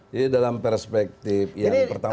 jadi dalam perspektif yang pertama